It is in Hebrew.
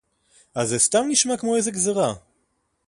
אז זה סתם נשמע כמו איזו גזירה